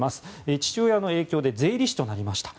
父親の影響で税理士となりました。